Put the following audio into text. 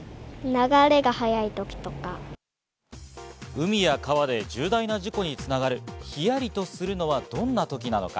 海や川で重大な事故に繋がるヒヤリとするのはどんな時なのか。